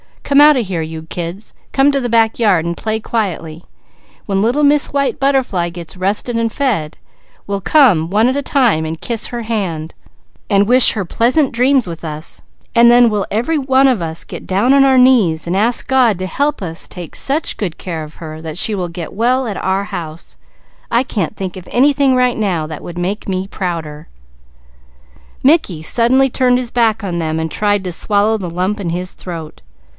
"Come out of here you kids! Come to the back yard and play quietly. When Little White Butterfly gets rested and fed, we'll come one at a time and kiss her hand, and wish her pleasant dreams with us, and then we'll every one of us get down on our knees and ask God to help us take such good care of her that she will get well at our house." Mickey suddenly turned his back on them and tried to swallow the lump in his throat.